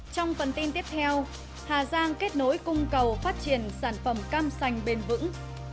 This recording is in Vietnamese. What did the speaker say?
trong phần tin tiếp theo hà giang kết nối cung cầu phát triển sản phẩm cam sành bền vững